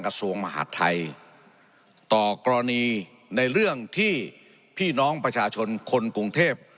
กระทรวงมหาดไทยต่อกรณีในเรื่องที่พี่น้องประชาชนคนกรุงเทพ